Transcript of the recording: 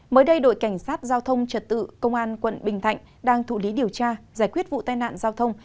mới đây đội cảnh sát giao thông trật tự công an quận bình thạnh đang thụ lý điều tra giải quyết vụ tai nạn giao thông